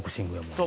「そう。